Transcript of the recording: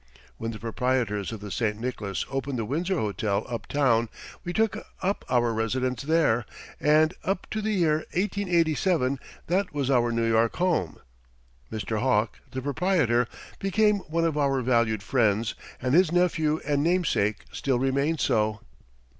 When the proprietors of the St. Nicholas opened the Windsor Hotel uptown, we took up our residence there and up to the year 1887 that was our New York home. Mr. Hawk, the proprietor, became one of our valued friends and his nephew and namesake still remains so.